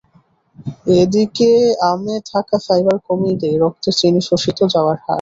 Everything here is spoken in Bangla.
এদিকে আমে থাকা ফাইবার কমিয়ে দেয় রক্তে চিনি শোষিত হওয়ার হার।